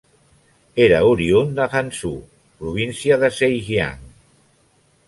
Era oriünd de Hangzhou, província de Zhejiang.